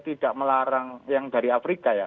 tidak melarang yang dari afrika ya